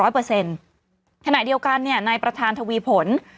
คณะเดียวกันเนี่ยในประธานทวีฝน